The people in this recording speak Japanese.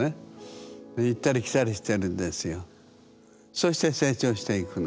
そして成長していくの。